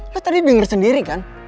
lo tadi denger sendiri kan